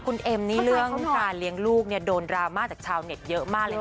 คุณเอ็มนี่เรื่องการเลี้ยงลูกเนี่ยโดนดราม่าจากชาวเน็ตเยอะมากเลยนะ